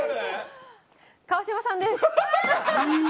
川島さんです！